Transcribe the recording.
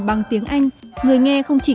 bằng tiếng anh người nghe không chỉ